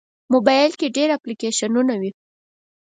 موبایل کې ډېر اپلیکیشنونه وي.